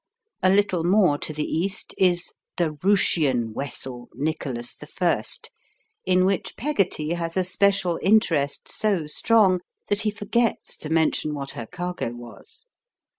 A little more to the east is "the Rooshian wessel Nicholas I.," in which Peggotty has a special interest so strong that he forgets to mention what her cargo was.